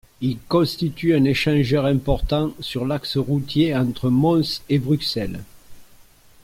Il constitue un échangeur important sur l'axe routier entre Mons et Bruxelles.